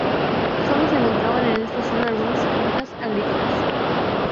Solo se encontraban en esta zona algunas fincas agrícolas.